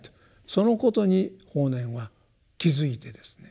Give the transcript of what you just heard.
そのことに法然は気付いてですね